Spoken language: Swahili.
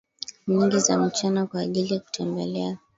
nyingi za mchana kwa ajili ya kutembelea